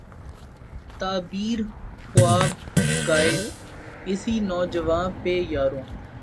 تعبیر ء خواب ء قائد، اسی نوجواں پہ یارو